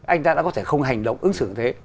anh ta đã có thể không hành động ứng xử thế